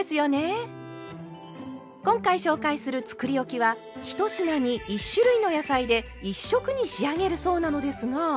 今回紹介するつくりおきは１品に１種類の野菜で１色に仕上げるそうなのですが。